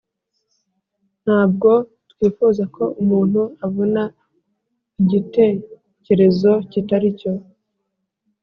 ntabwo twifuza ko umuntu abona igitekerezo kitari cyo.